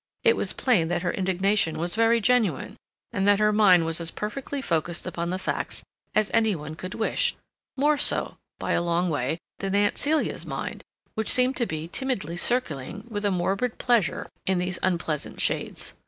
It was plain that her indignation was very genuine, and that her mind was as perfectly focused upon the facts as any one could wish—more so, by a long way, than Aunt Celia's mind, which seemed to be timidly circling, with a morbid pleasure, in these unpleasant shades.